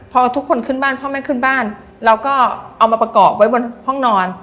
พอทุกคนขึ้นบ้านพ่อแม่ขึ้นบ้านเราก็เอามาประกอบไว้บนห้องนอน